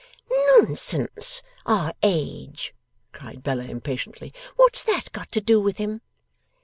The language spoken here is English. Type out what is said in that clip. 'Nonsense, our age!' cried Bella, impatiently. 'What's that got to do with him?